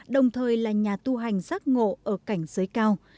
đồng thời là nhà tu hành giác ngộ ở cảnh giới cao